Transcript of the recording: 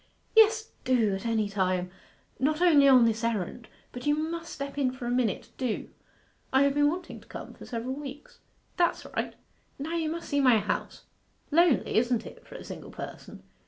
'Yes, do at any time; not only on this errand. But you must step in for a minute. Do.' 'I have been wanting to come for several weeks.' 'That's right. Now you must see my house lonely, isn't it, for a single person?